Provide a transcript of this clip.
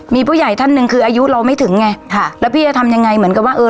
มีผู้ใหญ่ท่านหนึ่งคืออายุเราไม่ถึงไงค่ะแล้วพี่จะทำยังไงเหมือนกับว่าเออ